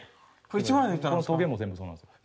このトゲも全部そうなんですよ。